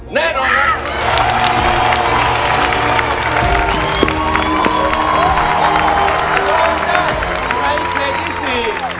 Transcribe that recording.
และอาจารย์ในกระดูกเป็นที่สี่